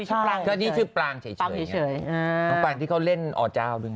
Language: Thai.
ใช่เค้ามีชื่อการคือปรางเฉย